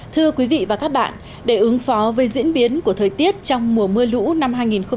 thưa quý vị và các bạn để ứng phó với diễn biến của thời tiết trong mùa mưa lũ năm hai nghìn một mươi chín